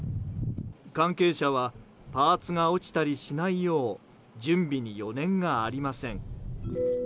関係者はパーツが落ちたりしないよう準備に余念がありません。